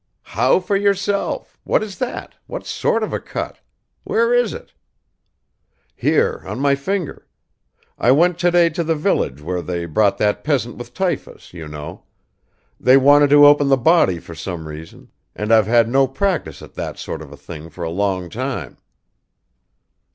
"How for yourself? What is that? What sort of a cut? Where is it?" "Here, on my finger. I went today to the village where they brought that peasant with typhus, you know. They wanted to open the body for some reason, and I've had no practice at that sort of thing for a long time."